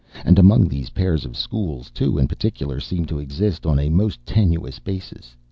And among these pairs of schools two, in particular, seemed to exist on a most tenuous basis.